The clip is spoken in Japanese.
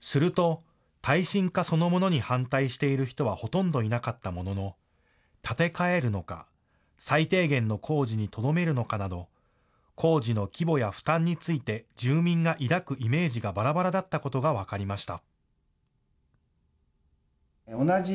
すると耐震化そのものに反対している人はほとんどいなかったものの建て替えるのか最低限の工事にとどめるのかなど工事の規模や負担について住民が抱くイメージがばらばらだったことが分かりました。